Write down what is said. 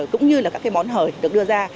cũng như là các cái món hời được đưa ra